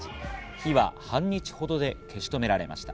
火は半日ほどで消し止められました。